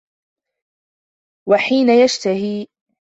وَحِينَ يَشْتَهِي